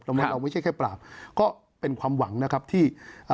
เราไม่ใช่แค่ปราบก็เป็นความหวังนะครับที่อ่า